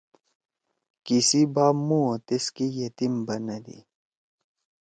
کسی باپ مُواو تیس کے یتیم بنّدی۔